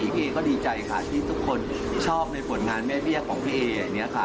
พี่เอ๊ก็ดีใจค่ะที่ทุกคนชอบในผลงานแม่เบี้ยของพี่เอ๊